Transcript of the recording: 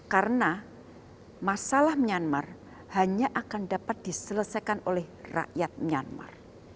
karena masalah menyanmar hanya akan dapat diselesaikan oleh rakyat menyanmar